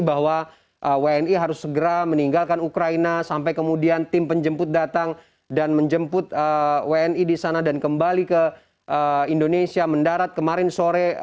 bahwa wni harus segera meninggalkan ukraina sampai kemudian tim penjemput datang dan menjemput wni di sana dan kembali ke indonesia mendarat kemarin sore